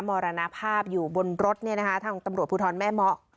มรณภาพอยู่บนรถเนี่ยนะคะทางตำรวจภูทรแม่เมาะ